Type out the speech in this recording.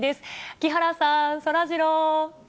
木原さん、そらジロー。